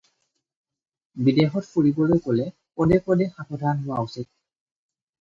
বিদেশত ফুৰিবলৈ গ'লে পদে পদে সাৱধান হোৱা উচিত।